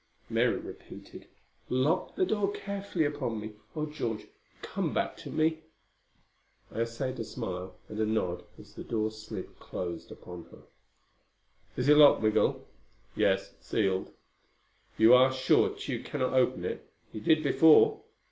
Mary repeated, "Lock the door carefully upon me. Oh, George, come back to me!" I essayed a smile and a nod as the door slid closed upon her. "Is it locked, Migul?" "Yes. Sealed." "You are sure Tugh cannot open it? He did before."